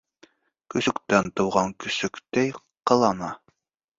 Көсөктән тыуған көсөктәй ҡылана.